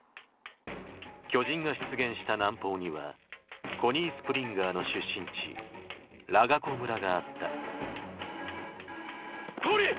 巨人が出現した南方にはコニー・スプリンガーの出身地ラガコ村があったコニー！